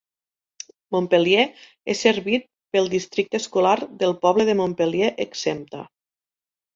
Montpelier és servit pel districte escolar del poble de Montpelier exempta.